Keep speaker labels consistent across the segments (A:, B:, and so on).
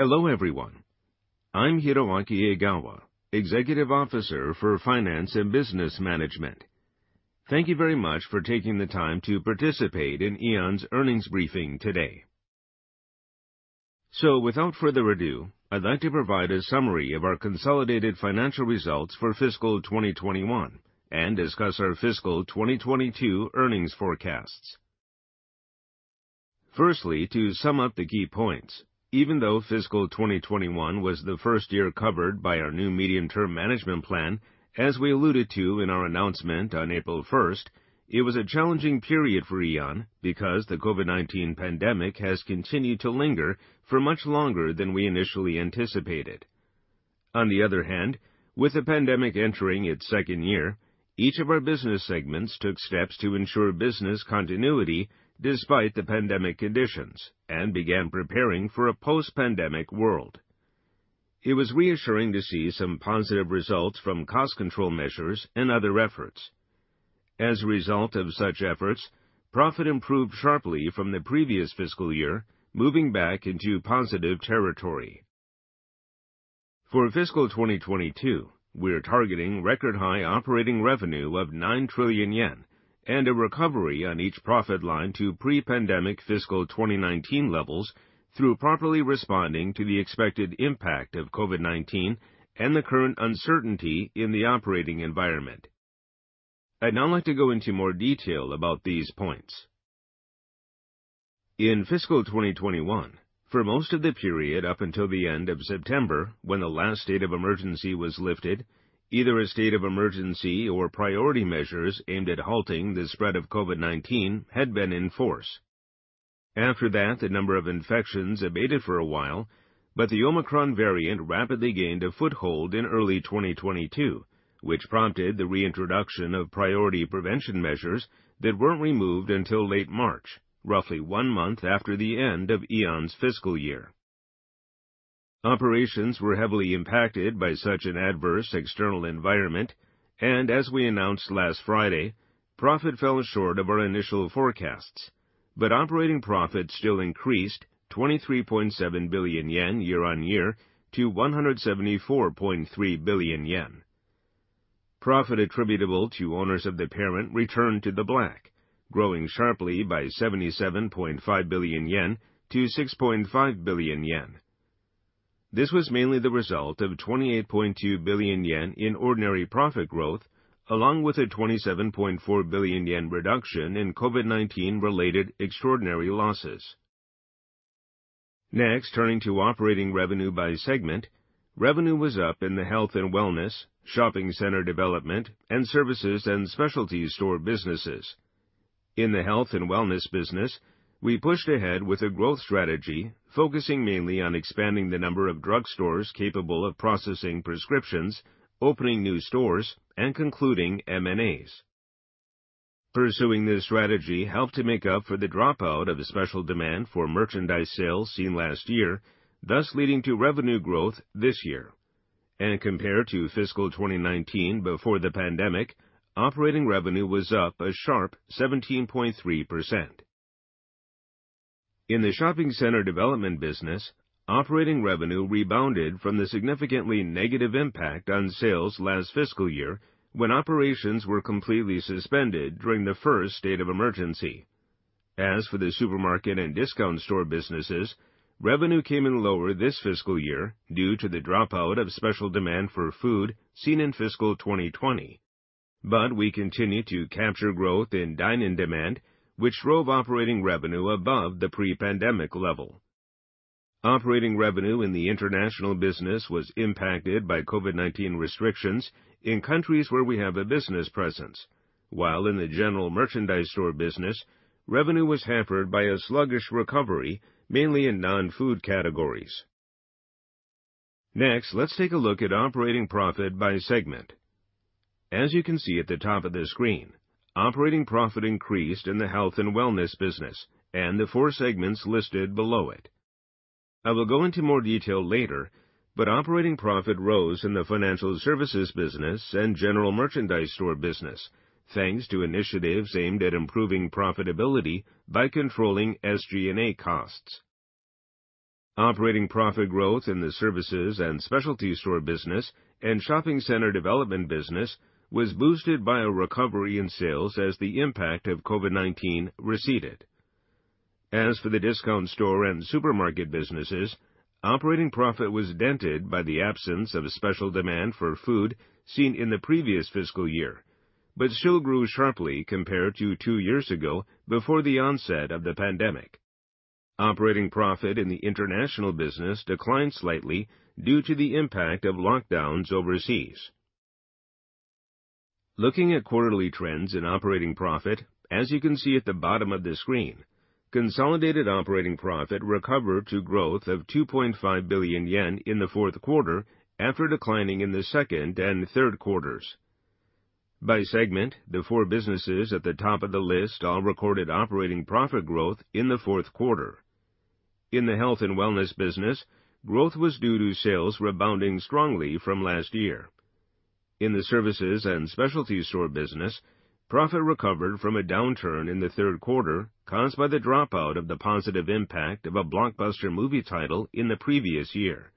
A: Hello everyone. I'm Hiroaki Egawa, Executive Officer, Finance and Business Management. Thank you very much for taking the time to participate in AEON's earnings briefing today. Without further ado, I'd like to provide a summary of our consolidated financial results for fiscal 2021 and discuss our fiscal 2022 earnings forecasts. Firstly, to sum up the key points, even though fiscal 2021 was the first year covered by our new medium-term management plan, as we alluded to in our announcement on April 1, it was a challenging period for AEON because the COVID-19 pandemic has continued to linger for much longer than we initially anticipated. On the other hand, with the pandemic entering its second year, each of our business segments took steps to ensure business continuity despite the pandemic conditions and began preparing for a post-pandemic world. It was reassuring to see some positive results from cost control measures and other efforts. As a result of such efforts, profit improved sharply from the previous fiscal year, moving back into positive territory. For fiscal 2022, we are targeting record high operating revenue of 9 trillion yen and a recovery on each profit line to pre-pandemic fiscal 2019 levels through properly responding to the expected impact of COVID-19 and the current uncertainty in the operating environment. I'd now like to go into more detail about these points. In fiscal 2021, for most of the period up until the end of September when the last state of emergency was lifted, either a state of emergency or priority measures aimed at halting the spread of COVID-19 had been in force. After that, the number of infections abated for a while, but the Omicron variant rapidly gained a foothold in early 2022, which prompted the reintroduction of priority prevention measures that weren't removed until late March, roughly one month after the end of AEON's fiscal year. Operations were heavily impacted by such an adverse external environment, and as we announced last Friday, profit fell short of our initial forecasts, but operating profit still increased 23.7 billion yen year-on-year to 174.3 billion yen. Profit attributable to owners of the parent returned to the black, growing sharply by 77.5 billion-6.5 billion yen. This was mainly the result of 28.2 billion yen in ordinary profit growth, along with a 27.4 billion yen reduction in COVID-19 related extraordinary losses. Next, turning to operating revenue by segment, revenue was up in the Health and Wellness, Shopping Center Development, and Services and Specialty store businesses. In the Health and Wellness business, we pushed ahead with a growth strategy focusing mainly on expanding the number of drugstores capable of processing prescriptions, opening new stores, and concluding M&As. Pursuing this strategy helped to make up for the dropout of special demand for merchandise sales seen last year, thus leading to revenue growth this year. Compared to fiscal 2019 before the pandemic, operating revenue was up a sharp 17.3%. In the Shopping Center Development business, operating revenue rebounded from the significantly negative impact on sales last fiscal year when operations were completely suspended during the first state of emergency. As for the Supermarket and Discount store businesses, revenue came in lower this fiscal year due to the dropout of special demand for food seen in fiscal 2020. We continued to capture growth in dine-in demand, which drove operating revenue above the pre-pandemic level. Operating revenue in the International business was impacted by COVID-19 restrictions in countries where we have a business presence. While in the General Merchandise store business, revenue was hampered by a sluggish recovery, mainly in non-food categories. Next, let's take a look at operating profit by segment. As you can see at the top of the screen, operating profit increased in the Health and Wellness business and the four segments listed below it. I will go into more detail later, but operating profit rose in the financial services business and general merchandise store business, thanks to initiatives aimed at improving profitability by controlling SG&A costs. Operating profit growth in the services and specialty store business and shopping center development business was boosted by a recovery in sales as the impact of COVID-19 receded. As for the Discount store and Supermarket businesses, operating profit was dented by the absence of a special demand for food seen in the previous fiscal year, but still grew sharply compared to two years ago before the onset of the pandemic. Operating profit in the international business declined slightly due to the impact of lockdowns overseas. Looking at quarterly trends in operating profit, as you can see at the bottom of the screen, consolidated operating profit recovered to growth of 2.5 billion yen in the fourth quarter after declining in the second and third quarters. By segment, the four businesses at the top of the list all recorded operating profit growth in the fourth quarter. In the Health and Wellness business, growth was due to sales rebounding strongly from last year. In the Services and Specialty store business, profit recovered from a downturn in the third quarter caused by the dropout of the positive impact of a blockbuster movie title in the previous year.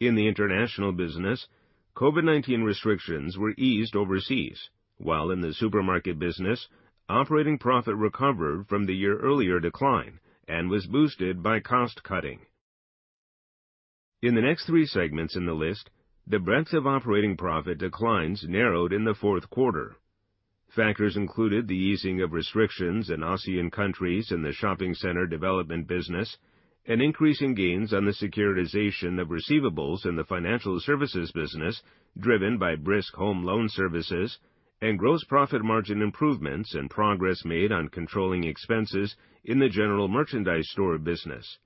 A: In the International business, COVID-19 restrictions were eased overseas, while in the supermarket business, operating profit recovered from the year earlier decline and was boosted by cost-cutting. In the next three segments in the list, the breadth of operating profit declines narrowed in the fourth quarter. Factors included the easing of restrictions in ASEAN countries in the Shopping Center Development business, an increase in gains on the securitization of receivables in the financial services business driven by brisk home loan services, and gross profit margin improvements and progress made on controlling expenses in the General Merchandise store business.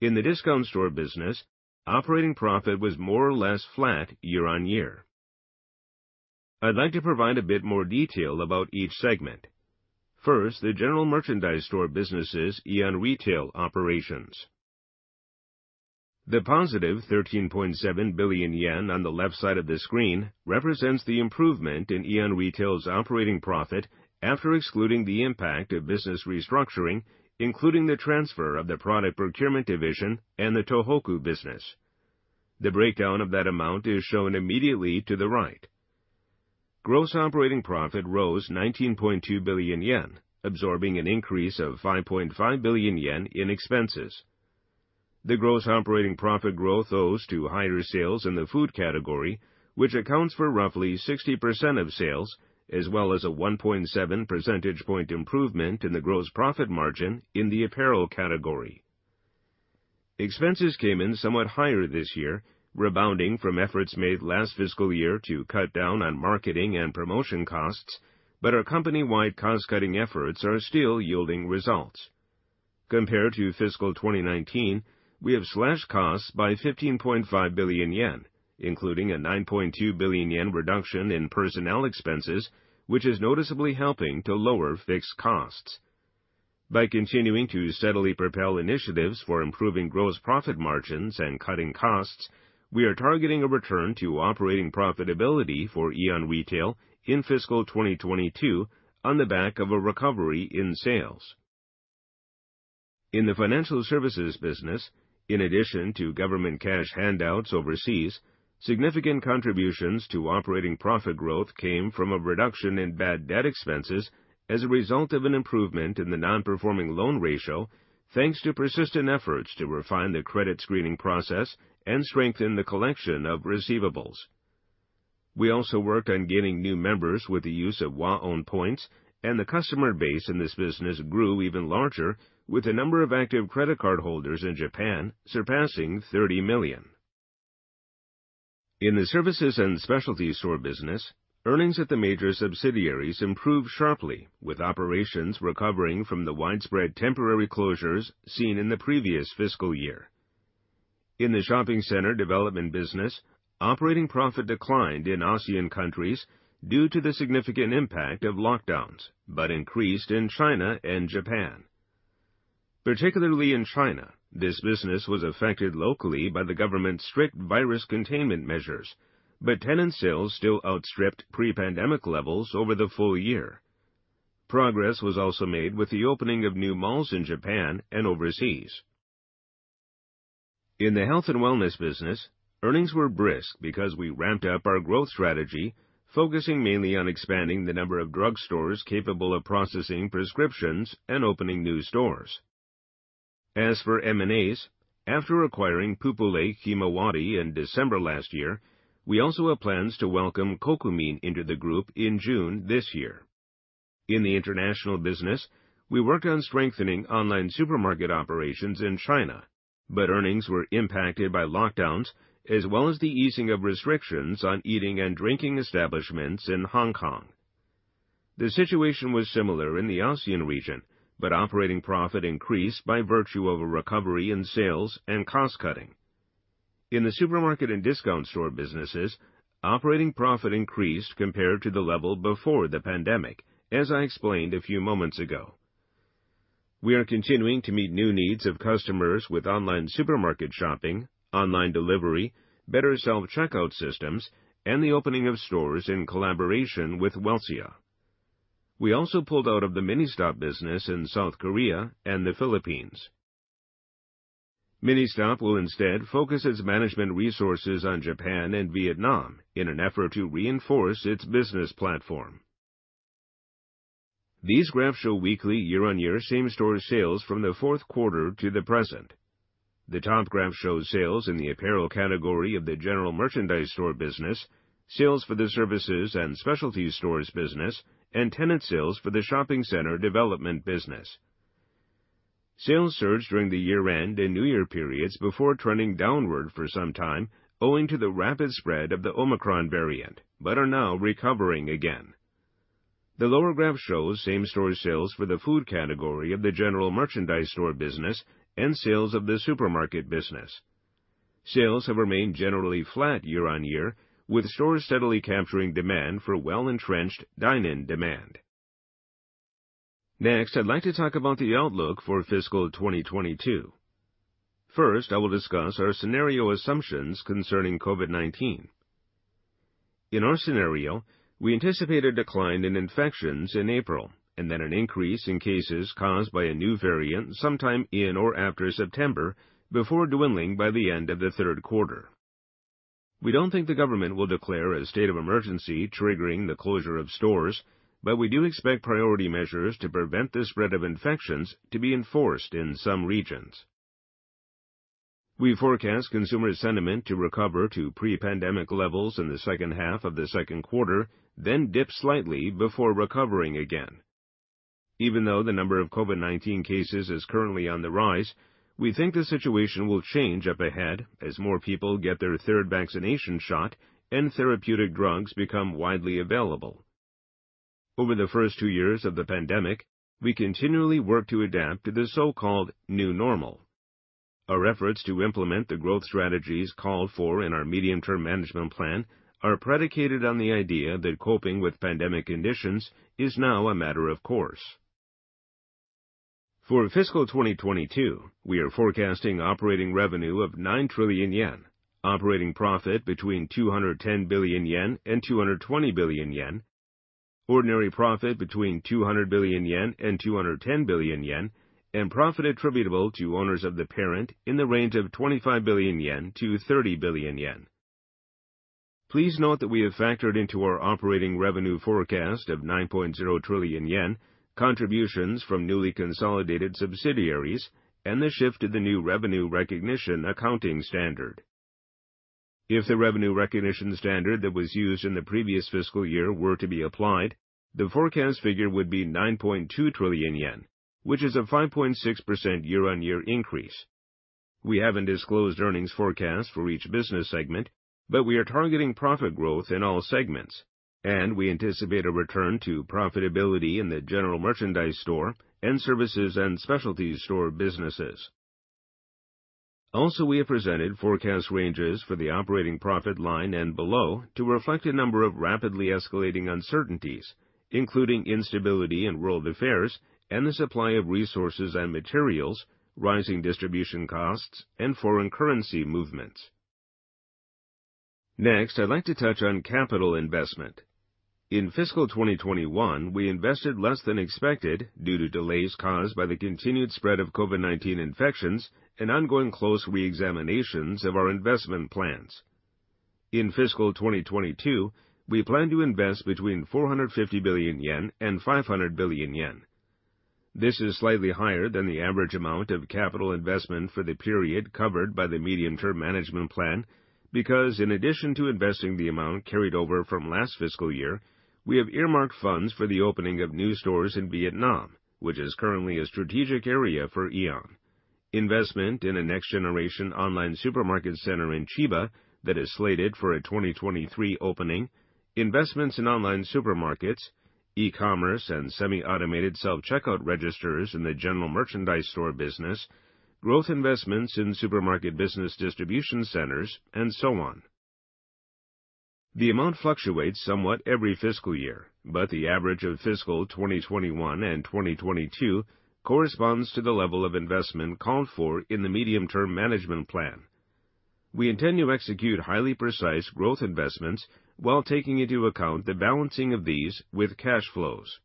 A: In the Discount store business, operating profit was more or less flat year-on-year. I'd like to provide a bit more detail about each segment. First, the General Merchandise store business' AEON Retail operations. The +13.7 billion yen on the left side of the screen represents the improvement in AEON Retail's operating profit after excluding the impact of business restructuring, including the transfer of the product procurement division and the Tohoku business. The breakdown of that amount is shown immediately to the right. Gross operating profit rose 19.2 billion yen, absorbing an increase of 5.5 billion yen in expenses. The gross operating profit growth owes to higher sales in the food category, which accounts for roughly 60% of sales, as well as a 1.7 percentage point improvement in the gross profit margin in the apparel category. Expenses came in somewhat higher this year, rebounding from efforts made last fiscal year to cut down on marketing and promotion costs, but our company-wide cost-cutting efforts are still yielding results. Compared to fiscal 2019, we have slashed costs by 15.5 billion yen, including a 9.2 billion yen reduction in personnel expenses, which is noticeably helping to lower fixed costs. By continuing to steadily propel initiatives for improving gross profit margins and cutting costs, we are targeting a return to operating profitability for AEON Retail in fiscal 2022 on the back of a recovery in sales. In the financial services business, in addition to government cash handouts overseas, significant contributions to operating profit growth came from a reduction in bad debt expenses as a result of an improvement in the non-performing loan ratio, thanks to persistent efforts to refine the credit screening process and strengthen the collection of receivables. We also worked on gaining new members with the use of WAON points, and the customer base in this business grew even larger, with the number of active credit card holders in Japan surpassing 30 million. In the Services and Specialty store business, earnings at the major subsidiaries improved sharply, with operations recovering from the widespread temporary closures seen in the previous fiscal year. In the Shopping Center Development business, operating profit declined in ASEAN countries due to the significant impact of lockdowns, but increased in China and Japan. Particularly in China, this business was affected locally by the government's strict virus containment measures, but tenant sales still outstripped pre-pandemic levels over the full year. Progress was also made with the opening of new malls in Japan and overseas. In the Health and Wellness business, earnings were brisk because we ramped up our growth strategy, focusing mainly on expanding the number of drugstores capable of processing prescriptions and opening new stores. As for M&As, after acquiring Pupule Himawari in December last year, we also have plans to welcome Kokumin into the group in June this year. In the International business, we worked on strengthening online supermarket operations in China, but earnings were impacted by lockdowns as well as the easing of restrictions on eating and drinking establishments in Hong Kong. The situation was similar in the ASEAN region, but operating profit increased by virtue of a recovery in sales and cost-cutting. In the Supermarket and Discount store businesses, operating profit increased compared to the level before the pandemic, as I explained a few moments ago. We are continuing to meet new needs of customers with online supermarket shopping, online delivery, better self-checkout systems, and the opening of stores in collaboration with Welcia. We also pulled out of the MINISTOP business in South Korea and the Philippines. MINISTOP will instead focus its management resources on Japan and Vietnam in an effort to reinforce its business platform. These graphs show weekly year-on-year same-store sales from the fourth quarter to the present. The top graph shows sales in the apparel category of the general merchandise store business, sales for the services and specialties stores business, and tenant sales for the shopping center development business. Sales surged during the year-end and new year periods before trending downward for some time owing to the rapid spread of the Omicron variant, but are now recovering again. The lower graph shows same-store sales for the food category of the General Merchandise store business and sales of the Supermarket business. Sales have remained generally flat year-on-year, with stores steadily capturing demand for well-entrenched dine-in demand. Next, I'd like to talk about the outlook for fiscal 2022. First, I will discuss our scenario assumptions concerning COVID-19. In our scenario, we anticipate a decline in infections in April and then an increase in cases caused by a new variant sometime in or after September before dwindling by the end of the third quarter. We don't think the government will declare a state of emergency triggering the closure of stores, but we do expect priority measures to prevent the spread of infections to be enforced in some regions. We forecast consumer sentiment to recover to pre-pandemic levels in the second half of the second quarter, then dip slightly before recovering again. Even though the number of COVID-19 cases is currently on the rise, we think the situation will change up ahead as more people get their third vaccination shot and therapeutic drugs become widely available. Over the first two years of the pandemic, we continually work to adapt to the so-called new normal. Our efforts to implement the growth strategies called for in our medium-term management plan are predicated on the idea that coping with pandemic conditions is now a matter of course. For fiscal 2022, we are forecasting operating revenue of 9 trillion yen, operating profit between 210 billion yen and 220 billion yen, ordinary profit between 200 billion yen and 210 billion yen, and profit attributable to owners of the parent in the range of 25 billion-30 billion yen. Please note that we have factored into our operating revenue forecast of 9.0 trillion yen contributions from newly consolidated subsidiaries and the shift to the new revenue recognition accounting standard. If the revenue recognition standard that was used in the previous fiscal year were to be applied, the forecast figure would be 9.2 trillion yen, which is a 5.6% year-on-year increase. We haven't disclosed earnings forecast for each business segment, but we are targeting profit growth in all segments, and we anticipate a return to profitability in the general merchandise store and services and specialty store businesses. Also, we have presented forecast ranges for the operating profit line and below to reflect a number of rapidly escalating uncertainties, including instability in world affairs and the supply of resources and materials, rising distribution costs, and foreign currency movements. Next, I'd like to touch on capital investment. In fiscal 2021, we invested less than expected due to delays caused by the continued spread of COVID-19 infections and ongoing close reexaminations of our investment plans. In fiscal 2022, we plan to invest between 450 billion yen and 500 billion yen. This is slightly higher than the average amount of capital investment for the period covered by the medium-term management plan because in addition to investing the amount carried over from last fiscal year, we have earmarked funds for the opening of new stores in Vietnam, which is currently a strategic area for AEON. Investment in a next generation online supermarket center in Chiba that is slated for a 2023 opening, investments in online supermarkets, e-commerce, and semi-automated self-checkout registers in the General Merchandise store business, growth investments in supermarket business distribution centers, and so on. The amount fluctuates somewhat every fiscal year, but the average of fiscal 2021 and 2022 corresponds to the level of investment called for in the medium-term management plan. We intend to execute highly precise growth investments while taking into account the balancing of these with cash flows.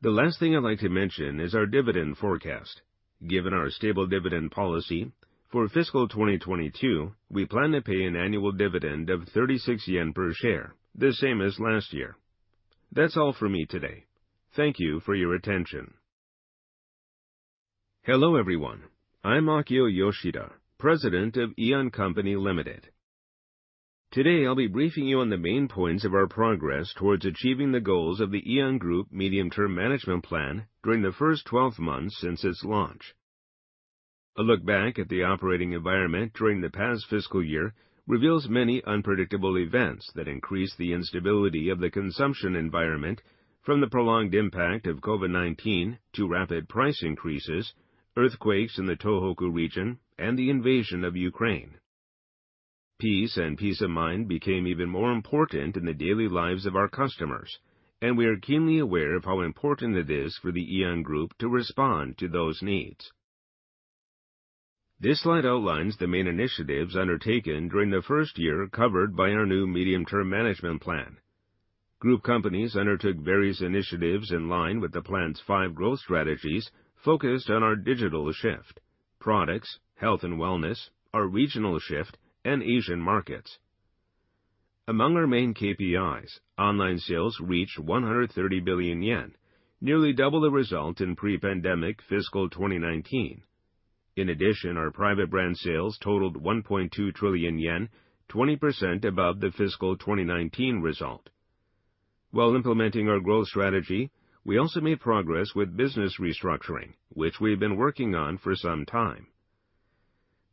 A: The last thing I'd like to mention is our dividend forecast. Given our stable dividend policy, for fiscal 2022, we plan to pay an annual dividend of 36 yen per share, the same as last year. That's all from me today. Thank you for your attention.
B: Hello, everyone. I'm Akio Yoshida, President of AEON Co., Ltd. Today, I'll be briefing you on the main points of our progress towards achieving the goals of the AEON Group medium-term management plan during the first 12 months since its launch. A look back at the operating environment during the past fiscal year reveals many unpredictable events that increased the instability of the consumption environment from the prolonged impact of COVID-19 to rapid price increases, earthquakes in the Tohoku region, and the invasion of Ukraine. Peace and peace of mind became even more important in the daily lives of our customers, and we are keenly aware of how important it is for the AEON Group to respond to those needs. This slide outlines the main initiatives undertaken during the first year covered by our new medium-term management plan. Group companies undertook various initiatives in line with the plan's five growth strategies focused on our digital shift: Products, Health and Wellness, our Regional shift, and Asian markets. Among our main KPIs, online sales reached 130 billion yen, nearly double the result in pre-pandemic fiscal 2019. In addition, our private brand sales totaled 1.2 trillion yen, 20% above the fiscal 2019 result. While implementing our growth strategy, we also made progress with business restructuring, which we've been working on for some time.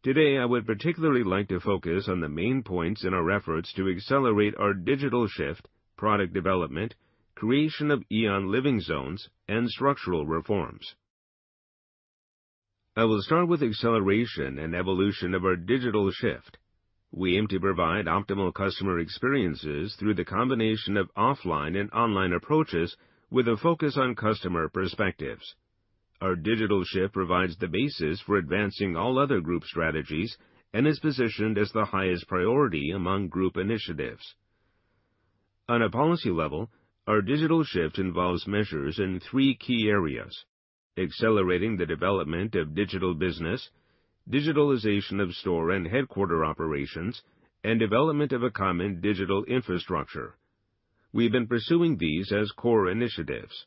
B: Today, I would particularly like to focus on the main points in our efforts to accelerate our digital shift, product development, creation of AEON Living Zones, and structural reforms. I will start with acceleration and evolution of our digital shift. We aim to provide optimal customer experiences through the combination of offline and online approaches with a focus on customer perspectives. Our digital shift provides the basis for advancing all other group strategies and is positioned as the highest priority among group initiatives. On a policy level, our digital shift involves measures in three key areas, accelerating the development of digital business, digitalization of store and headquarters operations, and development of a common digital infrastructure. We've been pursuing these as core initiatives.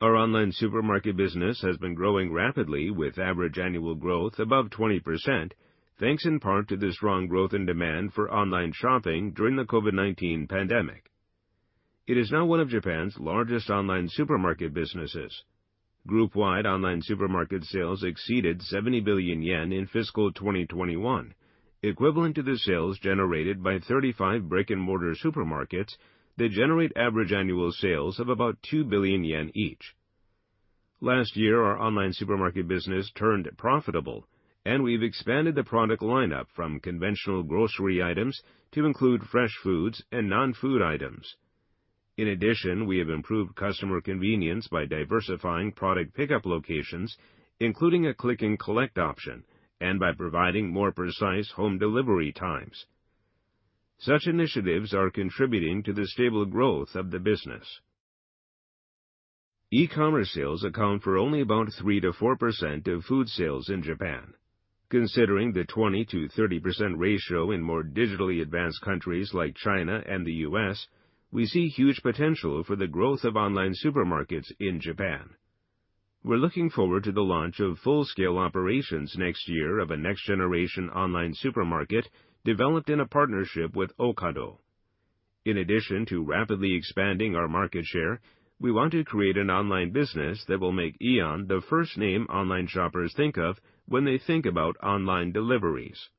B: Our online supermarket business has been growing rapidly with average annual growth above 20%, thanks in part to the strong growth and demand for online shopping during the COVID-19 pandemic. It is now one of Japan's largest online supermarket businesses. Group-wide online supermarket sales exceeded 70 billion yen in fiscal 2021, equivalent to the sales generated by 35 brick-and-mortar supermarkets that generate average annual sales of about 2 billion yen each. Last year, our online supermarket business turned profitable, and we've expanded the product lineup from conventional grocery items to include fresh foods and non-food items. In addition, we have improved customer convenience by diversifying product pickup locations, including a click-and-collect option, and by providing more precise home delivery times. Such initiatives are contributing to the stable growth of the business. e-commerce sales account for only about 3%-4% of food sales in Japan. Considering the 20%-30% ratio in more digitally advanced countries like China and the U.S., we see huge potential for the growth of online supermarkets in Japan. We're looking forward to the launch of full-scale operations next year of a next-generation online supermarket developed in a partnership with Ocado. In addition to rapidly expanding our market share, we want to create an online business that will make AEON the first name online shoppers think of when they think about online deliveries.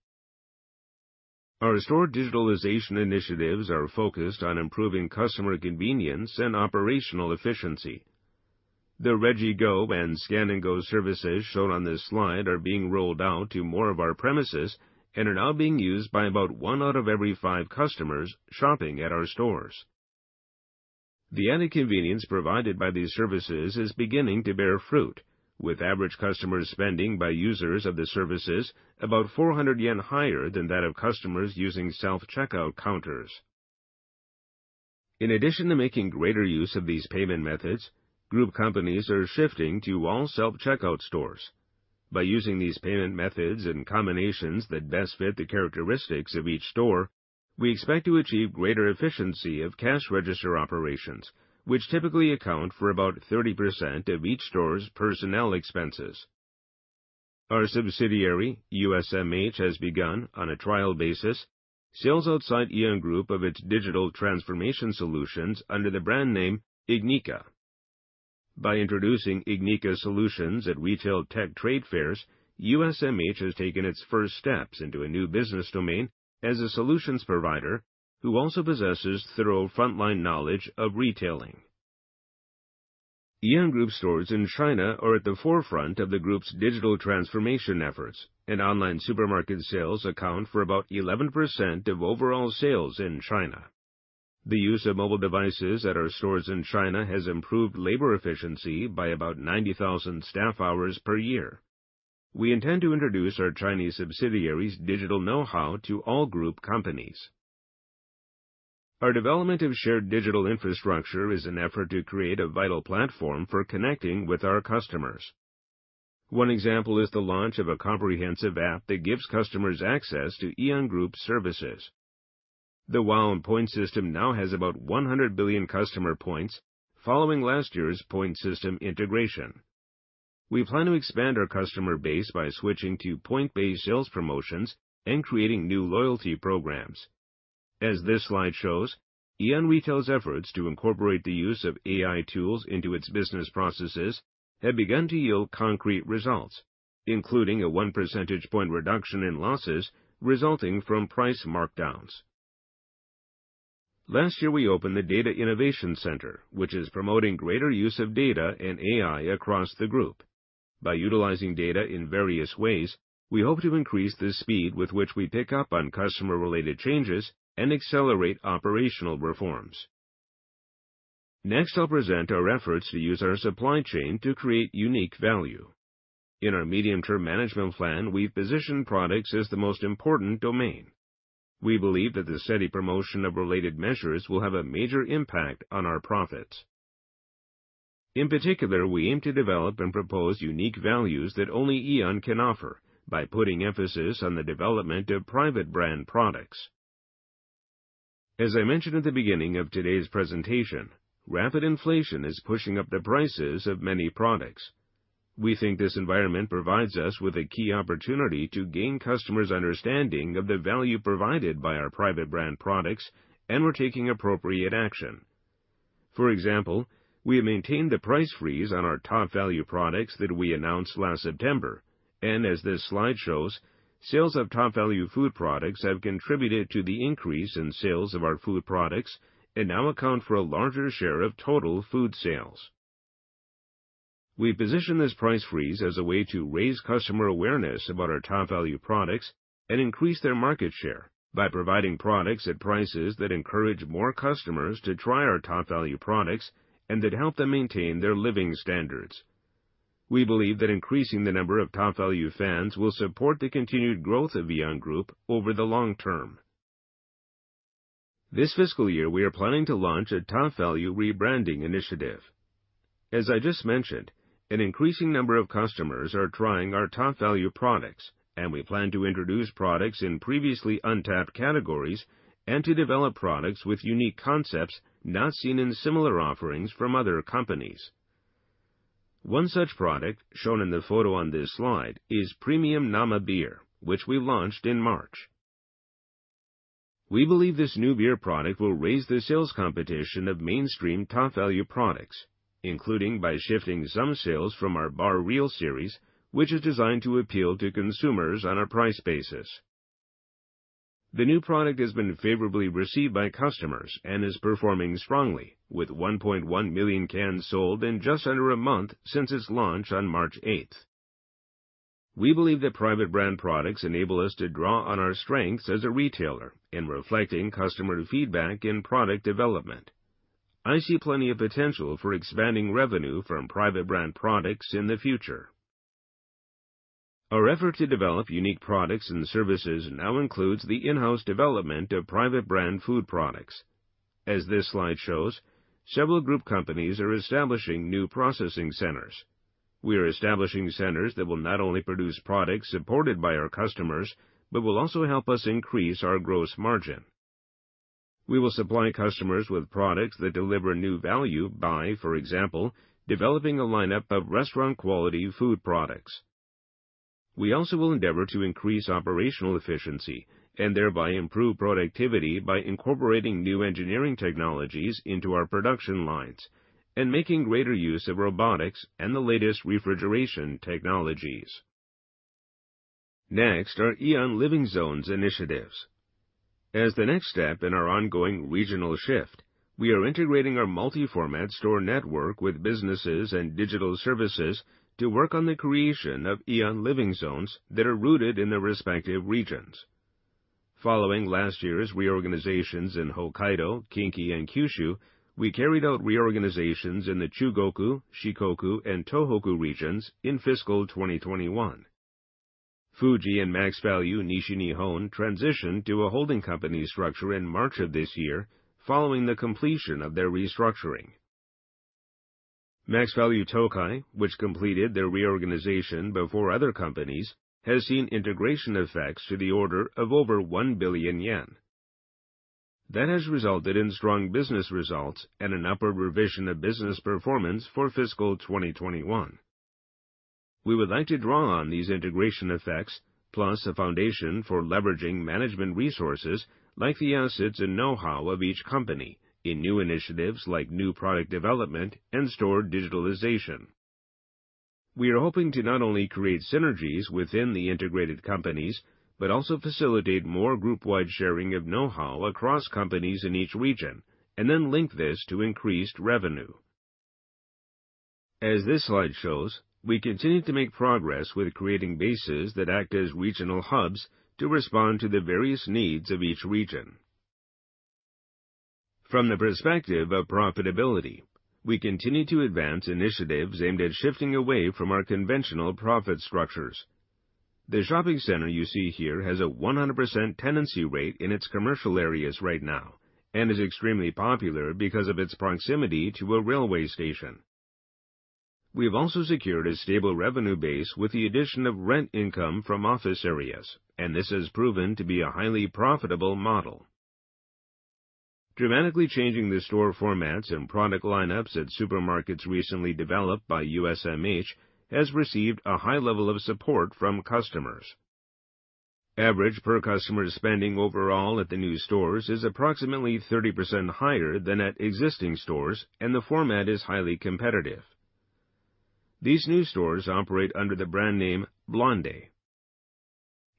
B: Our store digitalization initiatives are focused on improving customer convenience and operational efficiency. The RegiGo and Scan & Go services shown on this slide are being rolled out to more of our premises and are now being used by about 1 out of every 5 customers shopping at our stores. The added convenience provided by these services is beginning to bear fruit, with average customer spending by users of the services about 400 yen higher than that of customers using self-checkout counters. In addition to making greater use of these payment methods, group companies are shifting to all-self-checkout stores. By using these payment methods in combinations that best fit the characteristics of each store, we expect to achieve greater efficiency of cash register operations, which typically account for about 30% of each store's personnel expenses. Our subsidiary, USMH, has begun, on a trial basis, sales outside AEON Group of its digital transformation solutions under the brand name ignica. By introducing ignica solutions at retail tech trade fairs, USMH has taken its first steps into a new business domain as a solutions provider who also possesses thorough frontline knowledge of retailing. AEON Group stores in China are at the forefront of the group's digital transformation efforts, and online supermarket sales account for about 11% of overall sales in China. The use of mobile devices at our stores in China has improved labor efficiency by about 90,000 staff hours per year. We intend to introduce our Chinese subsidiary's digital know-how to all group companies. Our development of shared digital infrastructure is an effort to create a vital platform for connecting with our customers. One example is the launch of a comprehensive app that gives customers access to AEON Group services. The WAON point system now has about 100 billion customer points following last year's point system integration. We plan to expand our customer base by switching to point-based sales promotions and creating new loyalty programs. As this slide shows, AEON Retail's efforts to incorporate the use of AI tools into its business processes have begun to yield concrete results, including a 1 percentage point reduction in losses resulting from price markdowns. Last year, we opened the Data Innovation Center, which is promoting greater use of data and AI across the group. By utilizing data in various ways, we hope to increase the speed with which we pick up on customer-related changes and accelerate operational reforms. Next, I'll present our efforts to use our supply chain to create unique value. In our medium-term management plan, we've positioned products as the most important domain. We believe that the steady promotion of related measures will have a major impact on our profits. In particular, we aim to develop and propose unique values that only AEON can offer by putting emphasis on the development of private brand products. As I mentioned at the beginning of today's presentation, rapid inflation is pushing up the prices of many products. We think this environment provides us with a key opportunity to gain customers' understanding of the value provided by our private brand products, and we're taking appropriate action. For example, we have maintained the price freeze on our Topvalu products that we announced last September. As this slide shows, sales of Topvalu food products have contributed to the increase in sales of our food products and now account for a larger share of total food sales. We position this price freeze as a way to raise customer awareness about our Topvalu products and increase their market share by providing products at prices that encourage more customers to try our Topvalu products and that help them maintain their living standards. We believe that increasing the number of Topvalu fans will support the continued growth of AEON Group over the long term. This fiscal year, we are planning to launch a Topvalu rebranding initiative. As I just mentioned, an increasing number of customers are trying our Topvalu products, and we plan to introduce products in previously untapped categories and to develop products with unique concepts not seen in similar offerings from other companies. One such product shown in the photo on this slide is Premium Nama Beer, which we launched in March. We believe this new beer product will raise the sales competition of mainstream Topvalu products, including by shifting some sales from our Barreal series, which is designed to appeal to consumers on a price basis. The new product has been favorably received by customers and is performing strongly with 1.1 million cans sold in just under a month since its launch on March eighth. We believe that private brand products enable us to draw on our strengths as a retailer in reflecting customer feedback in product development. I see plenty of potential for expanding revenue from private brand products in the future. Our effort to develop unique products and services now includes the in-house development of private brand food products. As this slide shows, several group companies are establishing new processing centers. We are establishing centers that will not only produce products supported by our customers, but will also help us increase our gross margin. We will supply customers with products that deliver new value by, for example, developing a lineup of restaurant-quality food products. We also will endeavor to increase operational efficiency and thereby improve productivity by incorporating new engineering technologies into our production lines and making greater use of robotics and the latest refrigeration technologies. Next are AEON Living Zones initiatives. As the next step in our ongoing regional shift, we are integrating our multi-format store network with businesses and digital services to work on the creation of AEON Living Zones that are rooted in their respective regions. Following last year's reorganizations in Hokkaido, Kinki, and Kyushu, we carried out reorganizations in the Chugoku, Shikoku, and Tohoku regions in fiscal 2021. Fuji and Maxvalu Nishinihon transitioned to a holding company structure in March of this year following the completion of their restructuring. Maxvalu Tokai, which completed their reorganization before other companies, has seen integration effects to the order of over 1 billion yen. That has resulted in strong business results and an upward revision of business performance for fiscal 2021. We would like to draw on these integration effects plus a foundation for leveraging management resources like the assets and know-how of each company in new initiatives like new product development and store digitalization. We are hoping to not only create synergies within the integrated companies, but also facilitate more group-wide sharing of know-how across companies in each region, and then link this to increased revenue. As this slide shows, we continue to make progress with creating bases that act as regional hubs to respond to the various needs of each region. From the perspective of profitability, we continue to advance initiatives aimed at shifting away from our conventional profit structures. The shopping center you see here has a 100% tenancy rate in its commercial areas right now and is extremely popular because of its proximity to a railway station. We have also secured a stable revenue base with the addition of rent income from office areas, and this has proven to be a highly profitable model. Dramatically changing the store formats and product lineups at supermarkets recently developed by USMH has received a high level of support from customers. Average per customer spending overall at the new stores is approximately 30% higher than at existing stores, and the format is highly competitive. These new stores operate under the brand name Blande.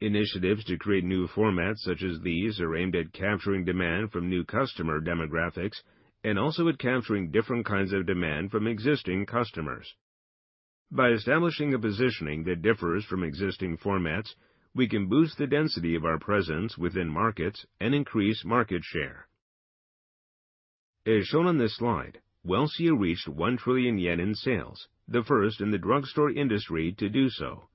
B: Initiatives to create new formats such as these are aimed at capturing demand from new customer demographics and also at capturing different kinds of demand from existing customers. By establishing a positioning that differs from existing formats, we can boost the density of our presence within markets and increase market share. As shown on this slide, Welcia reached 1 trillion yen in sales, the first in the drugstore industry to do so.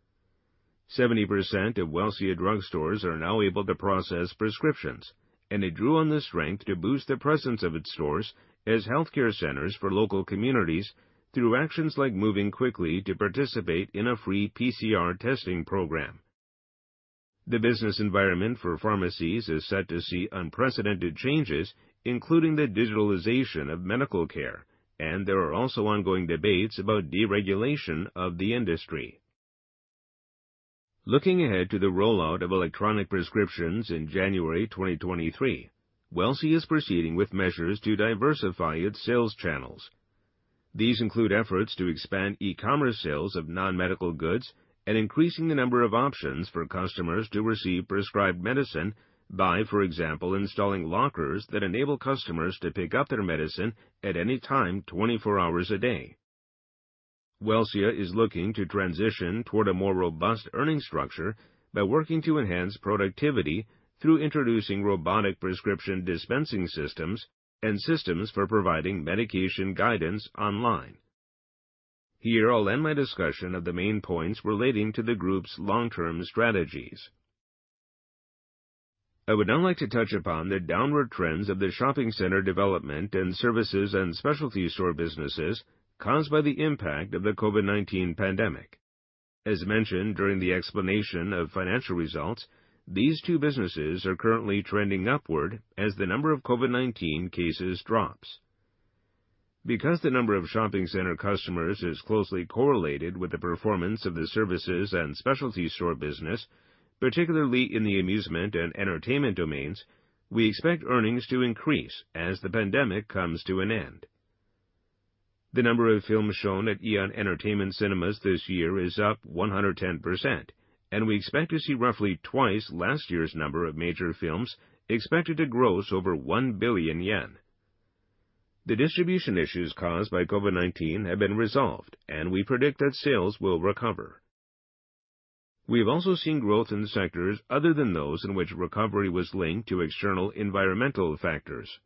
B: 70% of Welcia drugstores are now able to process prescriptions, and it drew on this strength to boost the presence of its stores as healthcare centers for local communities through actions like moving quickly to participate in a free PCR testing program. The business environment for pharmacies is set to see unprecedented changes, including the digitalization of medical care, and there are also ongoing debates about deregulation of the industry. Looking ahead to the rollout of electronic prescriptions in January 2023, Welcia is proceeding with measures to diversify its sales channels. These include efforts to expand e-commerce sales of non-medical goods and increasing the number of options for customers to receive prescribed medicine by, for example, installing lockers that enable customers to pick up their medicine at any time, twenty-four hours a day. Welcia is looking to transition toward a more robust earnings structure by working to enhance productivity through introducing robotic prescription dispensing systems and systems for providing medication guidance online. Here, I'll end my discussion of the main points relating to the group's long-term strategies. I would now like to touch upon the downward trends of the shopping center development and services and specialty store businesses caused by the impact of the COVID-19 pandemic. As mentioned during the explanation of financial results, these two businesses are currently trending upward as the number of COVID-19 cases drops. Because the number of shopping center customers is closely correlated with the performance of the services and specialty store business, particularly in the amusement and entertainment domains, we expect earnings to increase as the pandemic comes to an end. The number of films shown at AEON Entertainment Cinemas this year is up 110%, and we expect to see roughly twice last year's number of major films expected to gross over 1 billion yen. The distribution issues caused by COVID-19 have been resolved, and we predict that sales will recover. We have also seen growth in sectors other than those in which recovery was linked to external environmental factors.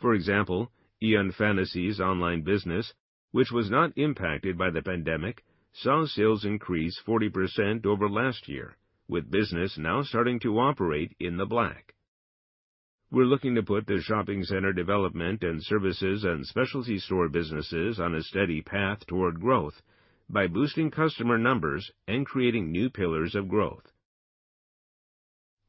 B: For example, AEON Fantasy online business, which was not impacted by the pandemic, saw sales increase 40% over last year, with business now starting to operate in the black. We're looking to put the shopping center development and services and specialty store businesses on a steady path toward growth by boosting customer numbers and creating new pillars of growth.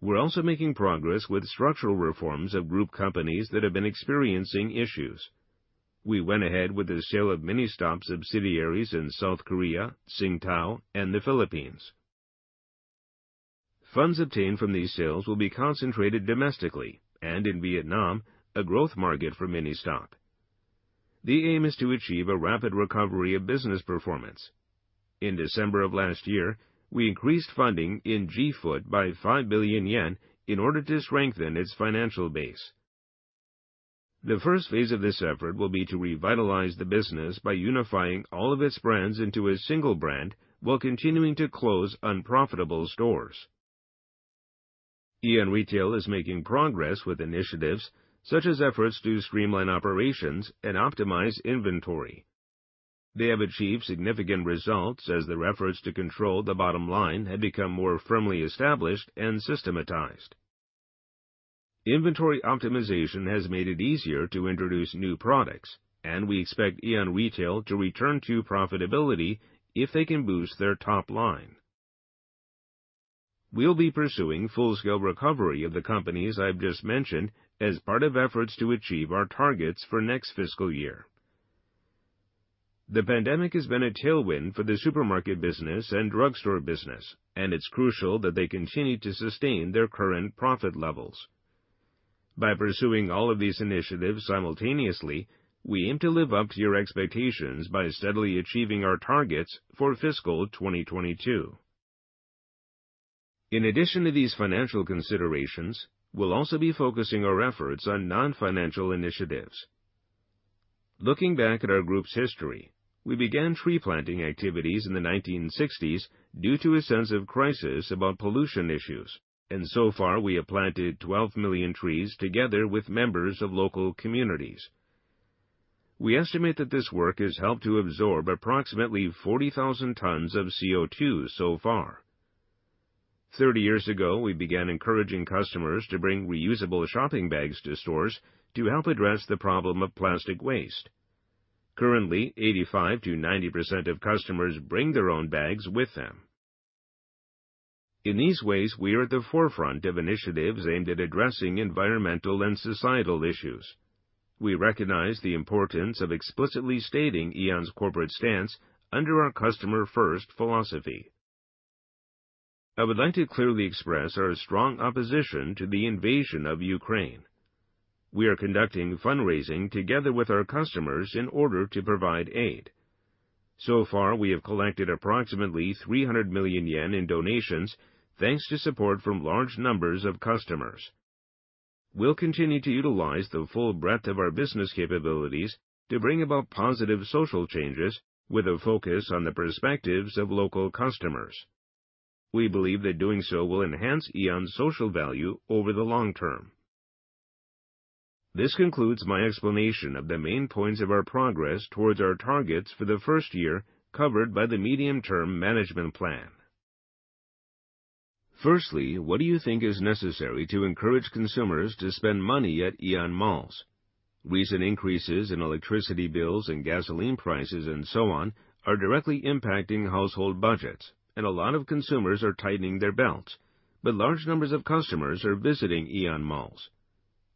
B: We're also making progress with structural reforms of group companies that have been experiencing issues. We went ahead with the sale of MINISTOP subsidiaries in South Korea, Qingdao, and the Philippines. Funds obtained from these sales will be concentrated domestically and in Vietnam, a growth market for MINISTOP. The aim is to achieve a rapid recovery of business performance. In December of last year, we increased funding in G-Foot by 5 billion yen in order to strengthen its financial base. The first phase of this effort will be to revitalize the business by unifying all of its brands into a single brand while continuing to close unprofitable stores. AEON Retail is making progress with initiatives such as efforts to streamline operations and optimize inventory. They have achieved significant results as their efforts to control the bottom line have become more firmly established and systematized. Inventory optimization has made it easier to introduce new products, and we expect AEON Retail to return to profitability if they can boost their top line. We'll be pursuing full-scale recovery of the companies I've just mentioned as part of efforts to achieve our targets for next fiscal year. The pandemic has been a tailwind for the supermarket business and drugstore business, and it's crucial that they continue to sustain their current profit levels. By pursuing all of these initiatives simultaneously, we aim to live up to your expectations by steadily achieving our targets for fiscal 2022. In addition to these financial considerations, we'll also be focusing our efforts on non-financial initiatives. Looking back at our group's history, we began tree planting activities in the 1960s due to a sense of crisis about pollution issues, and so far, we have planted 12 million trees together with members of local communities. We estimate that this work has helped to absorb approximately 40,000 tons of CO2 so far. 30 years ago, we began encouraging customers to bring reusable shopping bags to stores to help address the problem of plastic waste. Currently, 85%-90% of customers bring their own bags with them. In these ways, we are at the forefront of initiatives aimed at addressing environmental and societal issues. We recognize the importance of explicitly stating AEON's corporate stance under our customer-first philosophy. I would like to clearly express our strong opposition to the invasion of Ukraine. We are conducting fundraising together with our customers in order to provide aid. So far, we have collected approximately 300 million yen in donations, thanks to support from large numbers of customers. We'll continue to utilize the full breadth of our business capabilities to bring about positive social changes with a focus on the perspectives of local customers. We believe that doing so will enhance AEON's social value over the long term. This concludes my explanation of the main points of our progress towards our targets for the first year covered by the medium-term management plan.
C: Firstly, what do you think is necessary to encourage consumers to spend money at AEON malls? Recent increases in electricity bills and gasoline prices, and so on, are directly impacting household budgets and a lot of consumers are tightening their belts, but large numbers of customers are visiting AEON malls.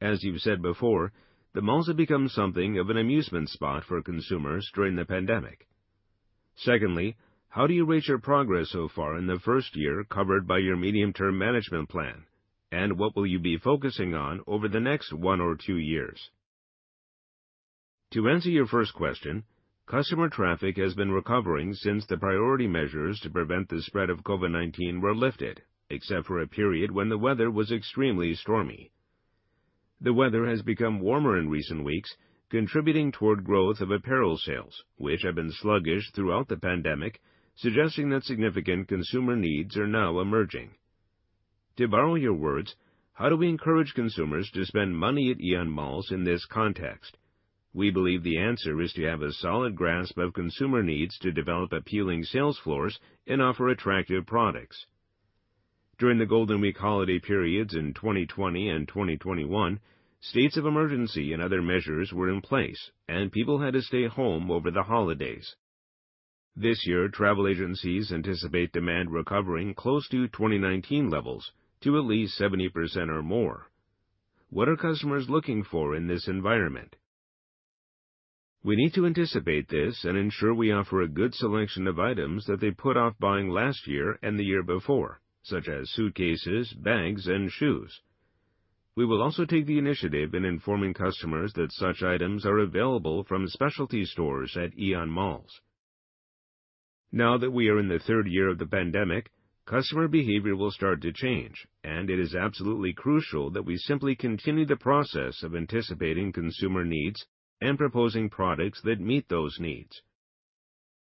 C: As you've said before, the malls have become something of an amusement spot for consumers during the pandemic. Secondly, how do you rate your progress so far in the first year covered by your medium-term management plan, and what will you be focusing on over the next one or two years?
A: To answer your first question, customer traffic has been recovering since the priority measures to prevent the spread of COVID-19 were lifted, except for a period when the weather was extremely stormy. The weather has become warmer in recent weeks, contributing toward growth of apparel sales, which have been sluggish throughout the pandemic, suggesting that significant consumer needs are now emerging.
C: To borrow your words, how do we encourage consumers to spend money at AEON malls in this context?
A: We believe the answer is to have a solid grasp of consumer needs to develop appealing sales floors and offer attractive products. During the Golden Week holiday periods in 2020 and 2021, states of emergency and other measures were in place, and people had to stay home over the holidays. This year, travel agencies anticipate demand recovering close to 2019 levels to at least 70% or more.
C: What are customers looking for in this environment?
A: We need to anticipate this and ensure we offer a good selection of items that they put off buying last year and the year before, such as suitcases, bags, and shoes. We will also take the initiative in informing customers that such items are available from specialty stores at AEON malls. Now that we are in the third year of the pandemic, customer behavior will start to change, and it is absolutely crucial that we simply continue the process of anticipating consumer needs and proposing products that meet those needs.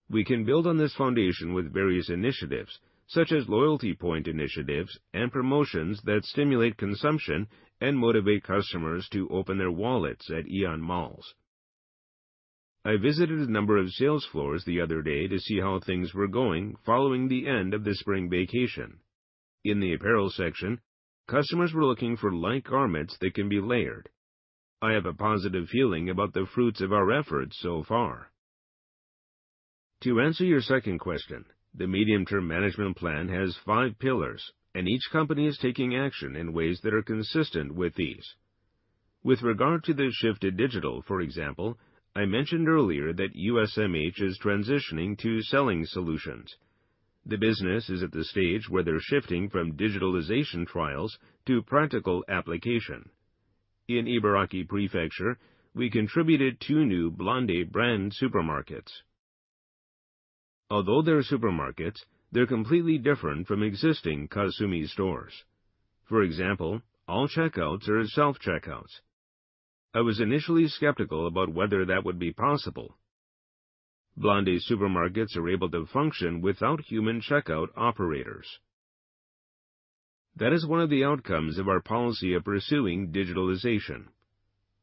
A: We can build on this foundation with various initiatives, such as loyalty point initiatives and promotions that stimulate consumption and motivate customers to open their wallets at AEON malls. I visited a number of sales floors the other day to see how things were going following the end of the spring vacation. In the apparel section, customers were looking for light garments that can be layered. I have a positive feeling about the fruits of our efforts so far. To answer your second question, the medium-term management plan has five pillars, and each company is taking action in ways that are consistent with these. With regard to the shift to digital, for example, I mentioned earlier that U.S.M.H. is transitioning to selling solutions. The business is at the stage where they're shifting from digitalization trials to practical application. In Ibaraki Prefecture, we contributed two new BLANDE brand supermarkets. Although they're supermarkets, they're completely different from existing Kasumi stores. For example, all checkouts are self-checkouts. I was initially skeptical about whether that would be possible. BLANDE supermarkets are able to function without human checkout operators. That is one of the outcomes of our policy of pursuing digitalization.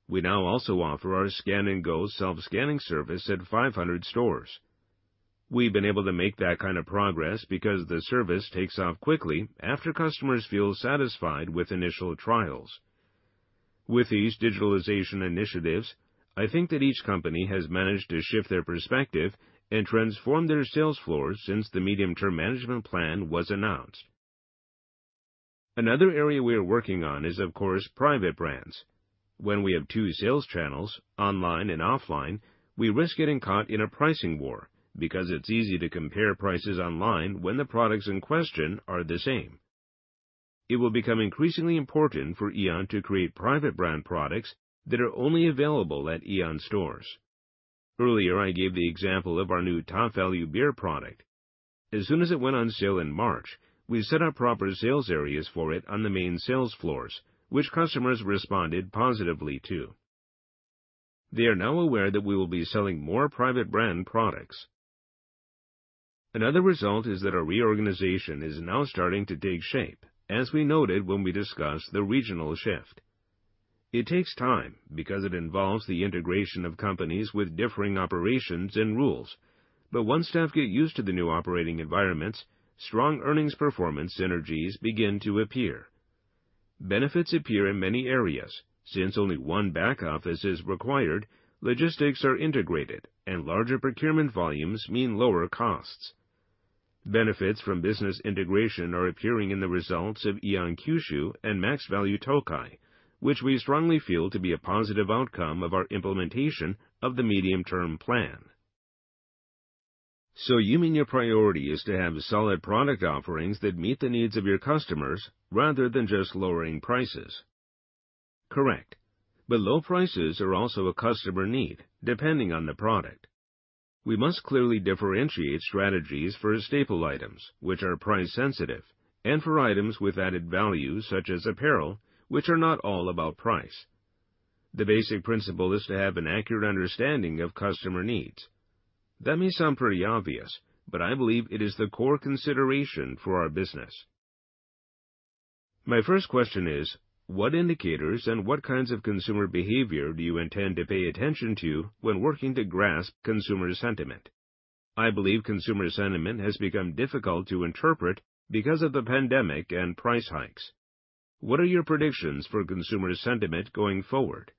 A: We now also offer our Scan & Go self-scanning service at 500 stores. We've been able to make that kind of progress because the service takes off quickly after customers feel satisfied with initial trials. With these digitalization initiatives, I think that each company has managed to shift their perspective and transform their sales floors since the medium-term management plan was announced. Another area we are working on is, of course, private brands. When we have two sales channels, online and offline, we risk getting caught in a pricing war because it's easy to compare prices online when the products in question are the same. It will become increasingly important for AEON to create private brand products that are only available at AEON stores. Earlier, I gave the example of our new Topvalu beer product. As soon as it went on sale in March, we set up proper sales areas for it on the main sales floors, which customers responded positively to. They are now aware that we will be selling more private brand products. Another result is that our reorganization is now starting to take shape, as we noted when we discussed the regional shift. It takes time because it involves the integration of companies with differing operations and rules. Once staff get used to the new operating environments, strong earnings performance synergies begin to appear. Benefits appear in many areas. Since only one back office is required, logistics are integrated and larger procurement volumes mean lower costs. Benefits from business integration are appearing in the results of AEON Kyushu and Maxvalu Tokai, which we strongly feel to be a positive outcome of our implementation of the medium-term plan.
C: You mean your priority is to have solid product offerings that meet the needs of your customers rather than just lowering prices?
A: Correct. Low prices are also a customer need, depending on the product. We must clearly differentiate strategies for staple items, which are price sensitive, and for items with added value, such as apparel, which are not all about price. The basic principle is to have an accurate understanding of customer needs. That may sound pretty obvious, but I believe it is the core consideration for our business.
D: My first question is, what indicators and what kinds of consumer behavior do you intend to pay attention to when working to grasp consumer sentiment? I believe consumer sentiment has become difficult to interpret because of the pandemic and price hikes. What are your predictions for consumer sentiment going forward?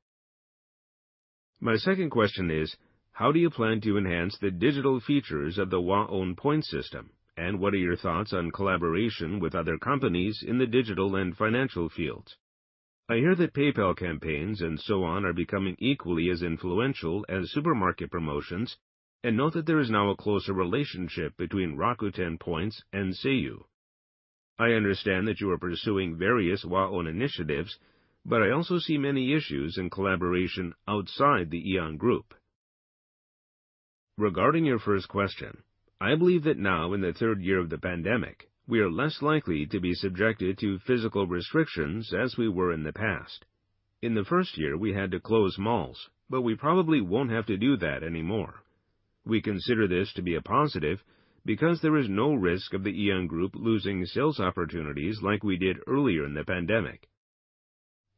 D: My second question is, how do you plan to enhance the digital features of the WAON point system, and what are your thoughts on collaboration with other companies in the digital and financial fields?
A: I hear that PayPay campaigns and so on are becoming equally as influential as supermarket promotions and note that there is now a closer relationship between Rakuten points and Seiyu. I understand that you are pursuing various WAON initiatives, but I also see many issues in collaboration outside the AEON group. Regarding your first question, I believe that now in the third year of the pandemic, we are less likely to be subjected to physical restrictions as we were in the past. In the first year, we had to close malls, but we probably won't have to do that anymore. We consider this to be a positive because there is no risk of the AEON group losing sales opportunities like we did earlier in the pandemic.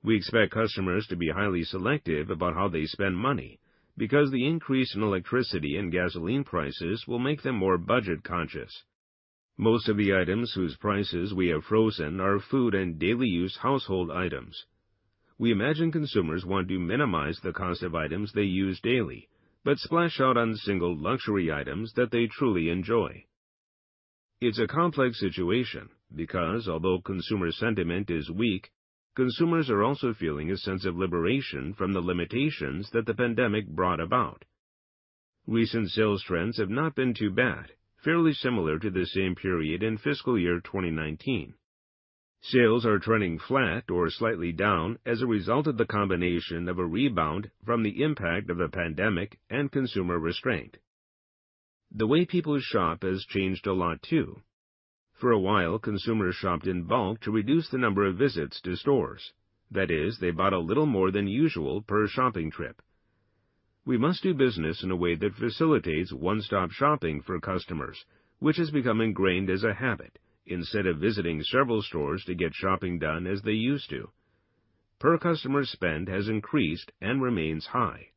A: We expect customers to be highly selective about how they spend money because the increase in electricity and gasoline prices will make them more budget-conscious. Most of the items whose prices we have frozen are food and daily use household items. We imagine consumers want to minimize the cost of items they use daily but splash out on single luxury items that they truly enjoy. It's a complex situation because although consumer sentiment is weak, consumers are also feeling a sense of liberation from the limitations that the pandemic brought about. Recent sales trends have not been too bad, fairly similar to the same period in fiscal year 2019. Sales are trending flat or slightly down as a result of the combination of a rebound from the impact of the pandemic and consumer restraint. The way people shop has changed a lot too. For a while, consumers shopped in bulk to reduce the number of visits to stores. That is, they bought a little more than usual per shopping trip. We must do business in a way that facilitates one-stop shopping for customers, which has become ingrained as a habit instead of visiting several stores to get shopping done as they used to. Per customer spend has increased and remains high.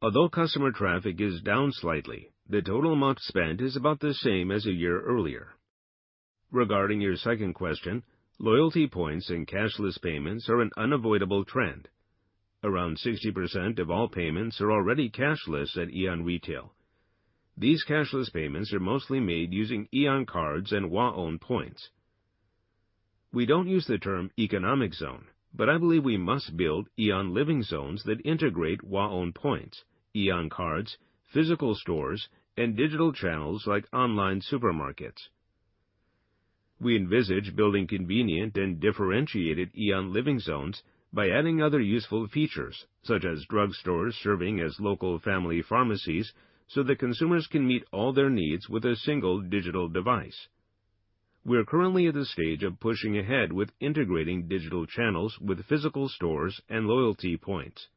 A: Although customer traffic is down slightly, the total amount spent is about the same as a year earlier. Regarding your second question, loyalty points and cashless payments are an unavoidable trend. Around 60% of all payments are already cashless at AEON Retail. These cashless payments are mostly made using AEON cards and WAON points. We don't use the term economic zone, but I believe we must build AEON Living Zones that integrate WAON points, AEON cards, physical stores, and digital channels like online supermarkets. We envisage building convenient and differentiated AEON Living Zones by adding other useful features, such as drugstores serving as local family pharmacies, so that consumers can meet all their needs with a single digital device. We are currently at the stage of pushing ahead with integrating digital channels with physical stores and loyalty points.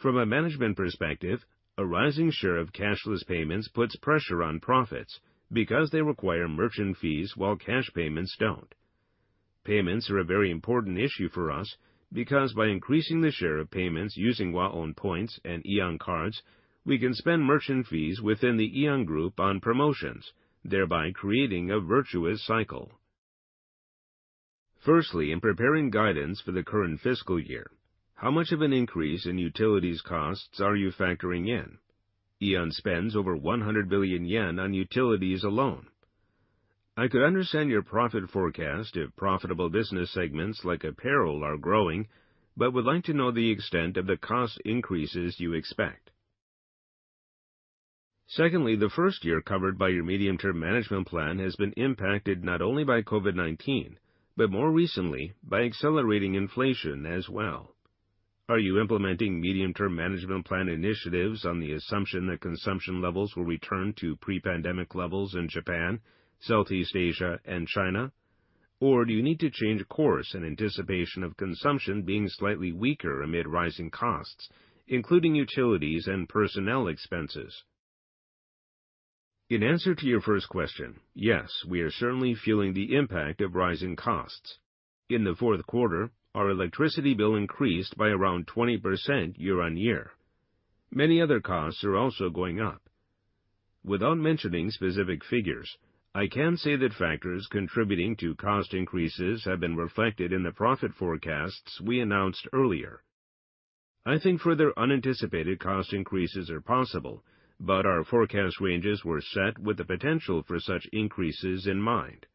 A: From a management perspective, a rising share of cashless payments puts pressure on profits because they require merchant fees while cash payments don't. Payments are a very important issue for us because by increasing the share of payments using WAON points and AEON cards, we can spend merchant fees within the AEON Group on promotions, thereby creating a virtuous cycle. Firstly, in preparing guidance for the current fiscal year, how much of an increase in utilities costs are you factoring in? AEON spends over 100 billion yen on utilities alone.
E: I could understand your profit forecast if profitable business segments like apparel are growing, but would like to know the extent of the cost increases you expect. Secondly, the first year covered by your medium-term management plan has been impacted not only by COVID-19, but more recently by accelerating inflation as well. Are you implementing medium-term management plan initiatives on the assumption that consumption levels will return to pre-pandemic levels in Japan, Southeast Asia, and China? Or do you need to change course in anticipation of consumption being slightly weaker amid rising costs, including utilities and personnel expenses?
A: In answer to your first question, yes, we are certainly feeling the impact of rising costs. In the fourth quarter, our electricity bill increased by around 20% year-on-year. Many other costs are also going up. Without mentioning specific figures, I can say that factors contributing to cost increases have been reflected in the profit forecasts we announced earlier. I think further unanticipated cost increases are possible, but our forecast ranges were set with the potential for such increases in mind.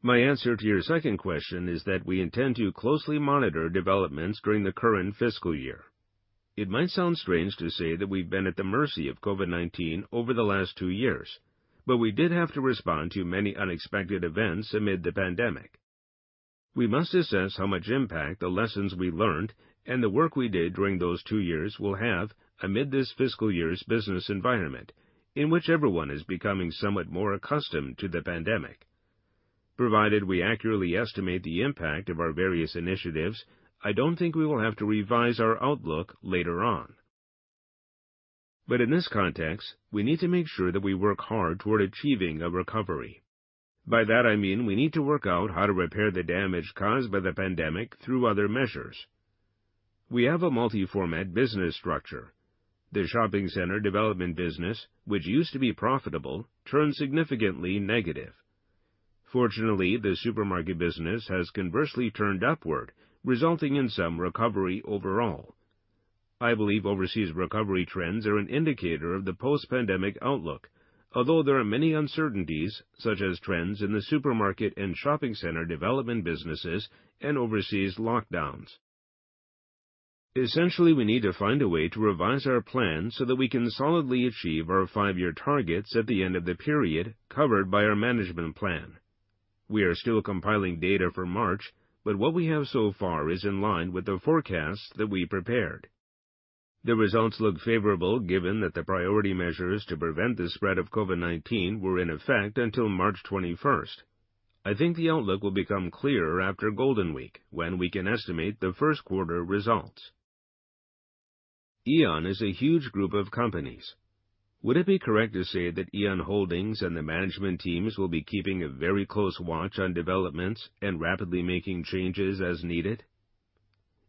A: My answer to your second question is that we intend to closely monitor developments during the current fiscal year. It might sound strange to say that we've been at the mercy of COVID-19 over the last two years, but we did have to respond to many unexpected events amid the pandemic. We must assess how much impact the lessons we learned and the work we did during those two years will have amid this fiscal year's business environment in which everyone is becoming somewhat more accustomed to the pandemic. Provided we accurately estimate the impact of our various initiatives, I don't think we will have to revise our outlook later on. In this context, we need to make sure that we work hard toward achieving a recovery. By that I mean we need to work out how to repair the damage caused by the pandemic through other measures. We have a multi-format business structure. The shopping center development business, which used to be profitable, turned significantly negative. Fortunately, the supermarket business has conversely turned upward, resulting in some recovery overall. I believe overseas recovery trends are an indicator of the post-pandemic outlook, although there are many uncertainties such as trends in the supermarket and shopping center development businesses and overseas lockdowns. Essentially, we need to find a way to revise our plan so that we can solidly achieve our five-year targets at the end of the period covered by our management plan. We are still compiling data for March, but what we have so far is in line with the forecast that we prepared. The results look favorable given that the priority measures to prevent the spread of COVID-19 were in effect until March twenty-first. I think the outlook will become clearer after Golden Week when we can estimate the first quarter results. AEON is a huge group of companies.
E: Would it be correct to say that AEON Holdings and the management teams will be keeping a very close watch on developments and rapidly making changes as needed?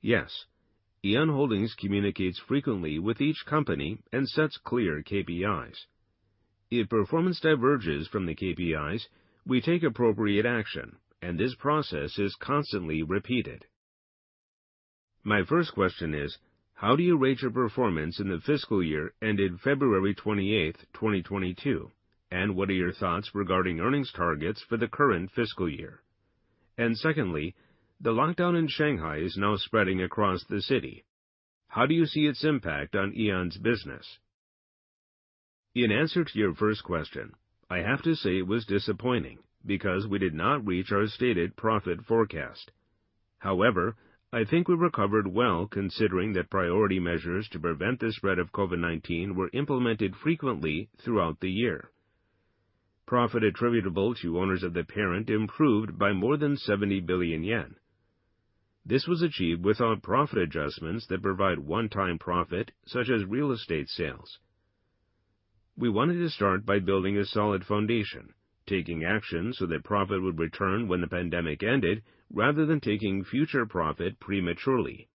A: Yes. AEON Holdings communicates frequently with each company and sets clear KPIs. If performance diverges from the KPIs, we take appropriate action, and this process is constantly repeated.
F: My first question is, how do you rate your performance in the fiscal year ended February 28, 2022, and what are your thoughts regarding earnings targets for the current fiscal year? Secondly, the lockdown in Shanghai is now spreading across the city. How do you see its impact on AEON's business?
A: In answer to your first question, I have to say it was disappointing because we did not reach our stated profit forecast. However, I think we recovered well considering that priority measures to prevent the spread of COVID-19 were implemented frequently throughout the year. Profit attributable to owners of the parent improved by more than 70 billion yen. This was achieved without profit adjustments that provide one-time profit, such as real estate sales. We wanted to start by building a solid foundation, taking action so that profit would return when the pandemic ended rather than taking future profit prematurely.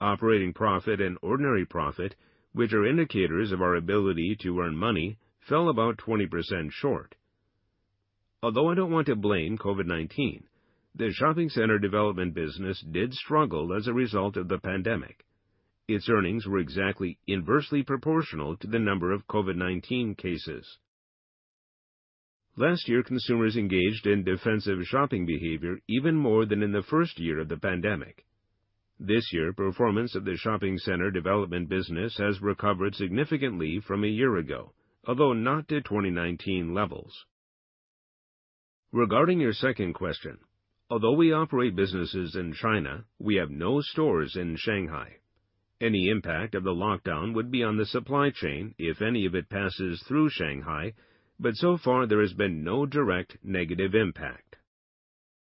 A: Operating profit and ordinary profit, which are indicators of our ability to earn money, fell about 20% short. Although I don't want to blame COVID-19, the shopping center development business did struggle as a result of the pandemic. Its earnings were exactly inversely proportional to the number of COVID-19 cases. Last year, consumers engaged in defensive shopping behavior even more than in the first year of the pandemic. This year, performance of the shopping center development business has recovered significantly from a year ago, although not to 2019 levels. Regarding your second question, although we operate businesses in China, we have no stores in Shanghai. Any impact of the lockdown would be on the supply chain if any of it passes through Shanghai, but so far, there has been no direct negative impact.